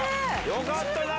よかったな！